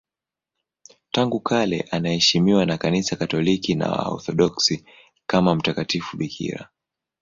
Tangu kale anaheshimiwa na Kanisa Katoliki na Waorthodoksi kama mtakatifu bikira.